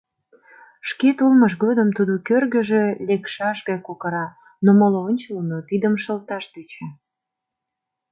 Шкет улмыж годым тудо кӧргыжӧ лекшаш гай кокыра, но моло ончылно тидым шылташ тӧча.